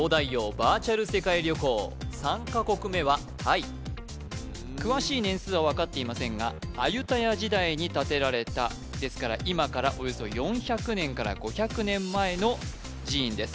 バーチャル世界旅行３か国目はタイ詳しい年数は分かっていませんがアユタヤ時代に建てられたですから今からおよそ４００年から５００年前の寺院です